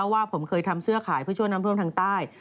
ว่าผมเคยทำเสื้อขายเพื่อช่วยน้ำท่วมทางใต้